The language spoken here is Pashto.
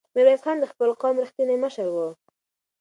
میرویس خان د خپل قوم رښتینی مشر و.